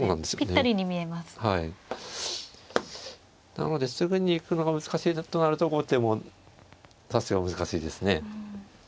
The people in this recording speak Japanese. なのですぐに行くのが難しいとなると後手も指す手が難しいですね。